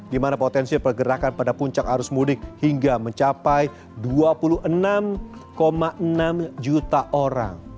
di mana potensi pergerakan pada puncak arus mudik hingga mencapai dua puluh enam enam juta orang